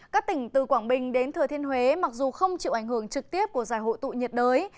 các tỉnh từ quảng bình đến thừa thiên huế mặc dù không chịu ảnh hưởng trực tiếp của giải hội tụ nhiệt đới